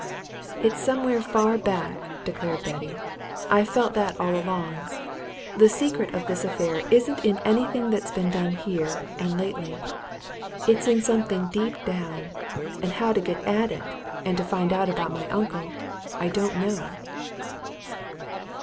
"It's somewhere far back," declared Betty. "I've felt that all along. The secret of all this affair isn't in anything that's been done here and lately it's in something deep down. And how to get at it, and to find out about my uncle, I don't know."